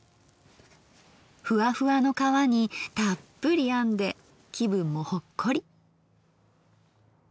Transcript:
ふわふわの皮にたっぷりあんで気分もほっこり。